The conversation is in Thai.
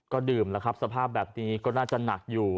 ก็ดื่มแล้วครับสภาพแบบนี้ก็น่าจะหนักอยู่